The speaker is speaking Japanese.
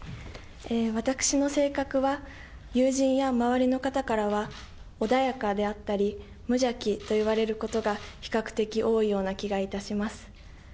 私の性格は、友人や周りの方からは、穏やかであったり、無邪気と言われることが、比較的多いような気がいたします。